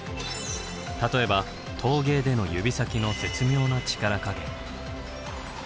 例えば陶芸での指先の絶妙な力加減。